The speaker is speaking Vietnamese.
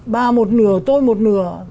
bà một nửa tôi một nửa